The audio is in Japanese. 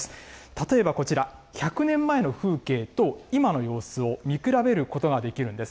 例えばこちら、１００年前の風景と、今の様子を見比べることができるんです。